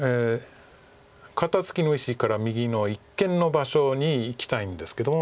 肩ツキの石から右の一間の場所にいきたいんですけども。